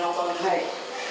はい。